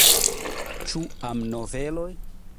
Ĉu amnoveloj?